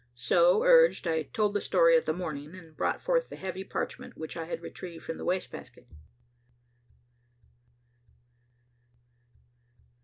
So urged, I told the story of the morning and brought forth the heavy parchment which I had retrieved from the waste basket.